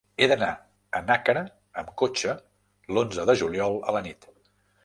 He d'anar a Nàquera amb cotxe l'onze de juliol a la nit.